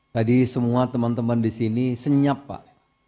tadi semua teman teman disini senyap pak